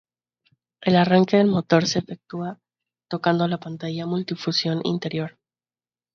El arranque del motor se efectúa tocando la pantalla multifunción interior.